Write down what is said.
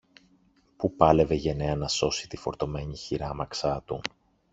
που πάλευε γενναία να σώσει τη φορτωμένη χειράμαξα του